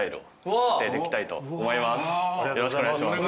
よろしくお願いします。